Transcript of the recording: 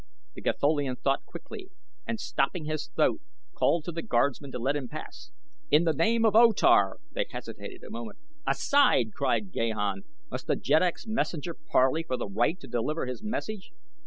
The Gatholian thought quickly, and stopping his thoat called to the guardsmen to let him pass, "In the name of O Tar!" They hesitated a moment. "Aside!" cried Gahan. "Must the jeddak's messenger parley for the right to deliver his message?"